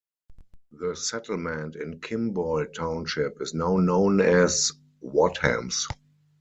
The settlement in Kimball Township is now known as Wadhams.